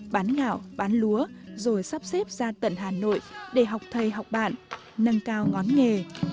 bán gạo bán lúa rồi sắp xếp ra tận hà nội để học thầy học bạn nâng cao ngón nghề